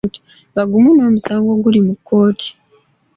Bagumu n'omusango oguli mu kkooti.